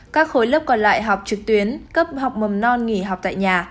các khối lớp còn lại học trực tuyến cấp học mầm non nghỉ học tại nhà